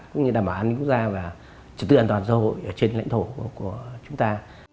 cũng như đảm bảo an ninh quốc gia và trật tự an toàn xã hội ở trên lãnh thổ của chúng ta